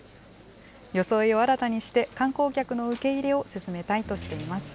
装いを新たにして、観光客の受け入れを進めたいとしています。